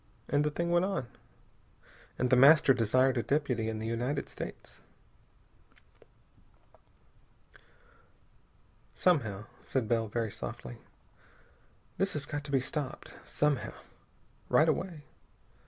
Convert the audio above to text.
And the thing went on. And The Master desired a deputy in the United States.... "Somehow," said Bell very softly, "this has got to be stopped. Somehow. Right away.